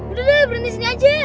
eh eh udah deh berhenti sini aja